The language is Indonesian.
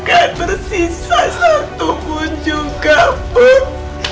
kan bersisa satu pun juga bud